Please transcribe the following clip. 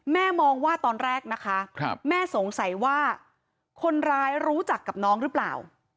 มองว่าตอนแรกนะคะแม่สงสัยว่าคนร้ายรู้จักกับน้องหรือเปล่า